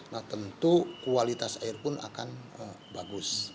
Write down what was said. nah tentu kualitas air pun akan bagus